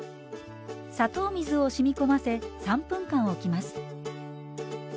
砂糖水をしみ込ませ３分間おきます。